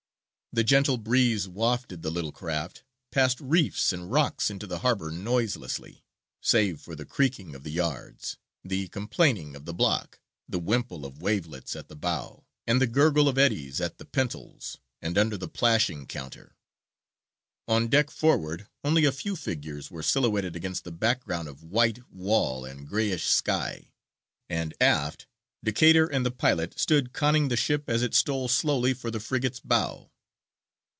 The gentle breeze wafted the little craft past reefs and rocks into the harbour noiselessly, save for the creaking of the yards, the complainings of the block, the wimple of wavelets at the bow, and the gurgle of eddies at the pintles and under the plashing counter. On deck forward only a few figures were silhouetted against the background of white wall and grayish sky; and aft Decatur and the pilot stood conning the ship as it stole slowly for the frigate's bow.